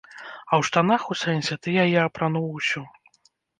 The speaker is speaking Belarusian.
А ў штанах, у сэнсе, ты яе апрануў ўсю.